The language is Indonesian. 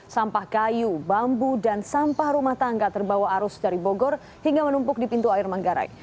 sampah kayu bambu dan sampah rumah tangga terbawa arus dari bogor hingga menumpuk di pintu air manggarai